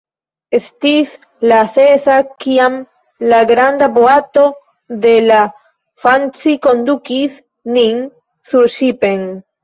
Estis la sesa, kiam la granda boato de la _Fanci_ kondukis nin surŝipen.